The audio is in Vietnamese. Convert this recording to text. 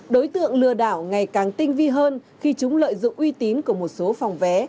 đối tượng lừa đảo ngày càng tinh vi hơn khi chúng lợi dụng uy tín của một số phòng vé